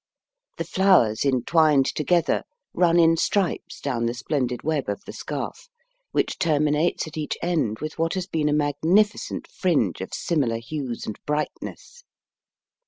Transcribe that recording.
The flowers, entwined together, run in stripes down the splendid web of the scarf, which terminates at each end with what has been a magnificent fringe of similar hues and brightness.